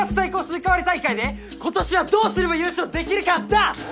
スイカ割り大会で今年はどうすれば優勝できるかだ！